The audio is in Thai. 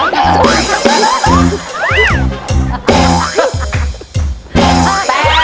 แต่ถ้า